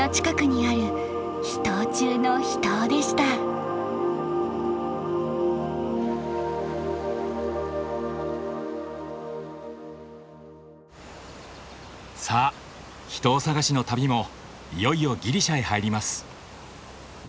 さあ秘湯探しの旅もいよいよギリシャへ入ります。